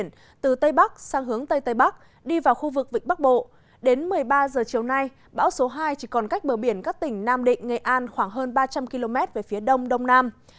ngày ba giờ chiều nay bão số hai chỉ còn cách bờ biển các tỉnh nam định nghệ an khoảng hơn ba trăm linh km về phía đông đông nam